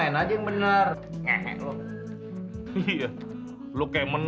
tentang menjak sitting